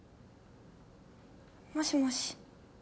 もしもし？